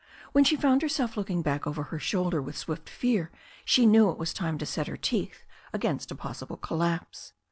When she found herself looking back over her shoulder with swift fear she knew it was time to set her teeth against a possible collapse.